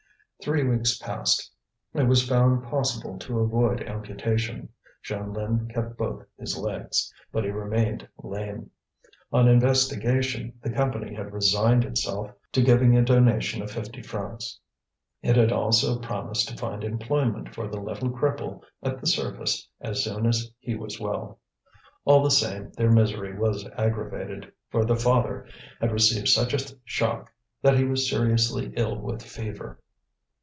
Three weeks passed. It was found possible to avoid amputation; Jeanlin kept both his legs, but he remained lame. On investigation the Company had resigned itself to giving a donation of fifty francs. It had also promised to find employment for the little cripple at the surface as soon as he was well. All the same their misery was aggravated, for the father had received such a shock that he was seriously ill with fever.